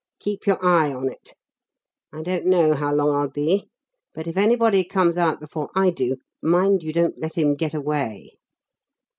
Keep your eye on it. I don't know how long I'll be, but if anybody comes out before I do, mind you don't let him get away."